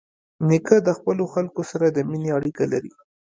نیکه د خپلو خلکو سره د مینې اړیکه لري.